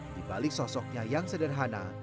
di balik sosoknya yang sederhana